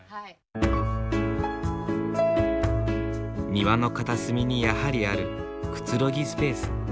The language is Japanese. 庭の片隅にやはりあるくつろぎスペース。